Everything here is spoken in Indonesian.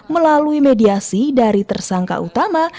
melalui mediasi dari tersangka utama